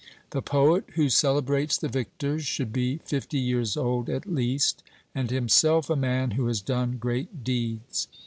The poet who celebrates the victors should be fifty years old at least, and himself a man who has done great deeds.